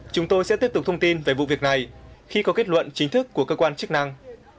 chúng tôi sẽ tiếp tục thông tin về vụ việc này khi có kết luận chính thức của cơ quan chức năng